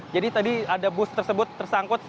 jadi tadi ada bus tersebut tersangkut